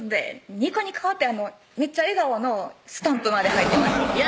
「ニコニコ」ってめっちゃ笑顔のスタンプまで入ってましたいや！